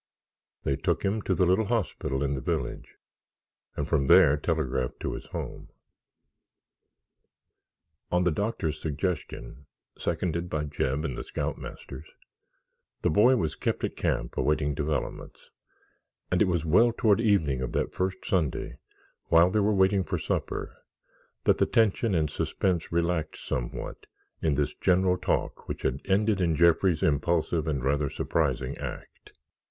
They took him to the little hospital in the village and from there telegraphed to his home. On the doctor's suggestion, seconded by Jeb and the scoutmasters, the boy was kept at camp awaiting developments, and it was well toward evening of that first Sunday while they were waiting for supper, that the tension and suspense relaxed somewhat in this general talk which had ended in Jeffrey's impulsive and rather surprising act.